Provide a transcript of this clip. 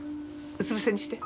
うつぶせにして。